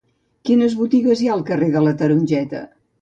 Quines botigues hi ha al carrer de la Tarongeta?